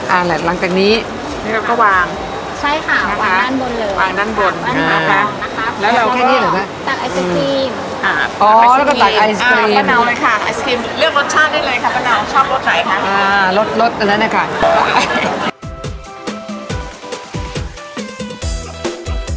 โอ้โหอันนี้จะน่าสนใจมากใช่เพราะฉะนั้นต้องไปลงมือเท้า